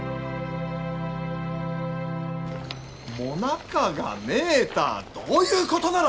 ・もなかがねえたあどういうことなら！